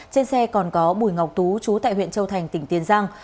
trên xe còn có bùi ngọc tú chú tại huyện châu thành tỉnh tiền giang